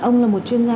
ông là một chuyên gia